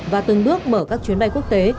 và từng bước mở các chuyến bay quốc tế